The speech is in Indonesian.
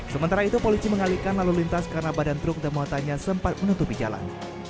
sementara itu polisi mengalihkan lalu lintas karena badan truk dan muatannya sempat menutupi jalan